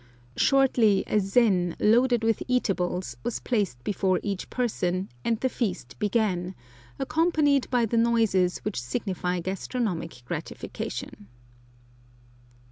Shortly a zen, loaded with eatables, was placed before each person, and the feast began, accompanied by the noises which signify gastronomic gratification.